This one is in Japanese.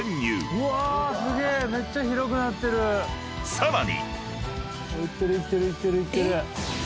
［さらに］